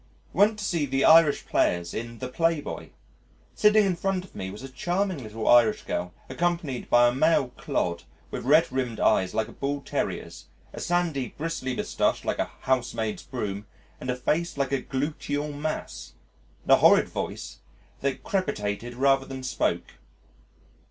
Went to see the Irish Players in The Playboy. Sitting in front of me was a charming little Irish girl accompanied by a male clod with red rimmed eyes like a Bull terrier's, a sandy, bristly moustache like a housemaid's broom, and a face like a gluteal mass, and a horrid voice that crepitated rather than spoke.